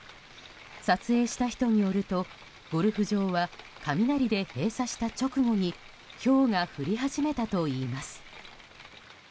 撮影した人によるとゴルフ場は雷で閉鎖した直後にひょうが降り始めたといいます。